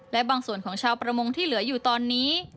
และบางส่วนของชาวประมงที่เหลืออยู่ตอนนี้